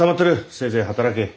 せいぜい働け。